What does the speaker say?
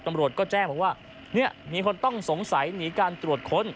ตำรวจก็แจ้งบอกว่าเนี่ยมีคนต้องสงสัยหนีการตรวจค้น